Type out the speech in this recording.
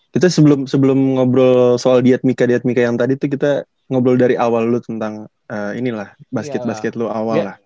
kita sebelum sebelum ngobrol soal diat mika diat mika yang tadi tuh kita ngobrol dari awal lu tentang inilah basket basket lu awal lah